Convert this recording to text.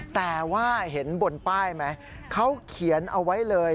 แต่ว่าเห็นบนป้ายไหมเขาเขียนเอาไว้เลย